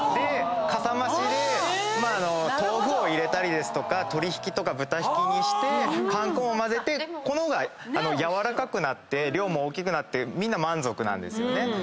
かさ増しで豆腐を入れたり鶏ひきとか豚ひきにしてパン粉も混ぜてこの方がやわらかくなって量も大きくなってみんな満足なんですよね。